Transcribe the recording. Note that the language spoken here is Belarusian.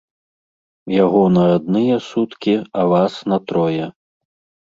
Яго на адныя суткі, а вас на трое.